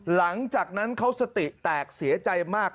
หลังจากนั้นเขาสติแตกเสียใจมาก